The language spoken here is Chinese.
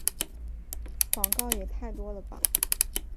广告也太多了吧